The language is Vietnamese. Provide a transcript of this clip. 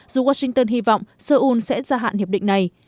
dù washington hy vọng seoul sẽ gia hạn hiệp định này